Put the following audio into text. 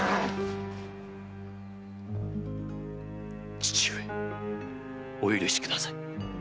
父上お許しください。